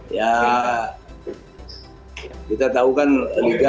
ya kita tahu kan liga sudah berhenti ya